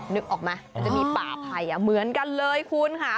นึกออกไหมมันจะมีป่าไผ่เหมือนกันเลยคุณค่ะ